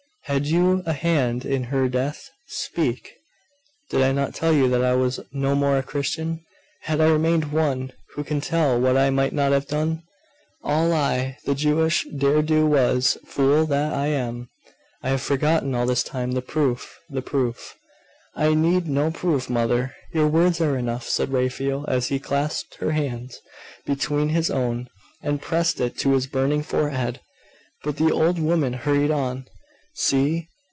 Had you a hand in her death? Speak!' 'Did I not tell you that I was no more a Christian? Had I remained one who can tell what I might not have done? All I, the Jewess, dare do was Fool that I am! I have forgotten all this time the proof the proof ' 'I need no proof, mother. Your words are enough,' said Raphael, as he clasped her hand between his own, and pressed it to his burning forehead. But the old woman hurried on 'See!